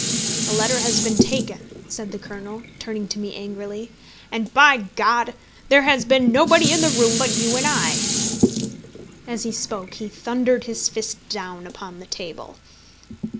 "The letter has been taken," said the Colonel, turning to me angrily, "and, by G ! there has been nobody in the room but you and I." As he spoke, he thundered his fist down upon the table.